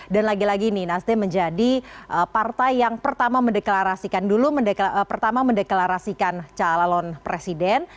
dan lagi lagi ini nasdeh menjadi partai yang pertama mendeklarasikan dulu pertama mendeklarasikan calon presiden